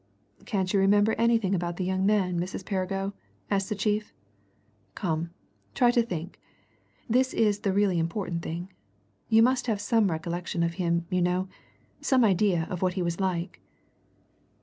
"Can't you remember anything about the young man, Mrs. Perrigo?" asked the chief. "Come! try to think. That is the really important thing. You must have some recollection of him, you know, some idea of what he was like."